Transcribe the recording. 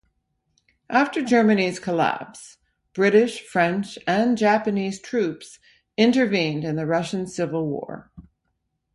After Germany's collapse, British, French and Japanese troops intervened in the Russian Civil War.